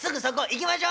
行きましょ」。